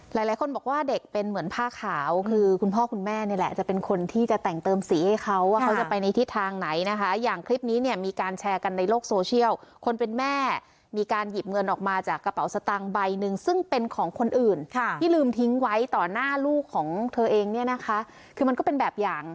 หลายคนบอกว่าเด็กเป็นเหมือนผ้าขาวคือคุณพ่อคุณแม่นี่แหละจะเป็นคนที่จะแต่งเติมสีให้เขาว่าเขาจะไปในทิศทางไหนนะคะอย่างคลิปนี้เนี่ยมีการแชร์กันในโลกโซเชียลคนเป็นแม่มีการหยิบเงินออกมาจากกระเป๋าสตางค์ใบหนึ่งซึ่งเป็นของคนอื่นที่ลืมทิ้งไว้ต่อหน้าลูกของเธอเองเนี่ยนะคะคือมันก็เป็นแบบอย่าง